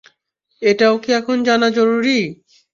এটাও কি এখন জানা জরুরী?